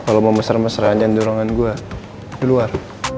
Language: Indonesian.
eh kalo mau mesra mesra aja di ruangan gue keluar